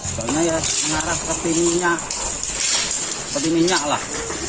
seperti minyak seperti minyaklah